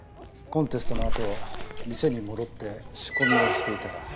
コンテストのあと店に戻って仕込みをしていたら。